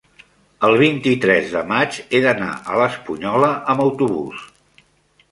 el vint-i-tres de maig he d'anar a l'Espunyola amb autobús.